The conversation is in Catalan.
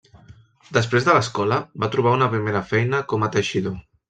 Després de l'escola va trobar una primera feina com a teixidor.